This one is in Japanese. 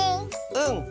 うん！